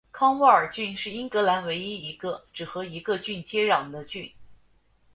康沃尔郡是英格兰唯一一个只和一个郡接壤的郡。